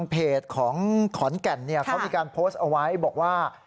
เพจของขอนแก่นเขามีการโพสต์เอาไว้บอกว่า